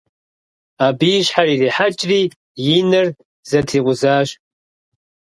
Абы и щхьэр ирихьэкӀри и нэр зэтрикъузащ.